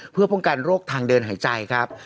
เพื่อป้องกันโรคทางเดินหายใจครับ